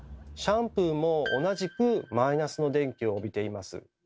シャンプーも同じくマイナスの電気を帯びています。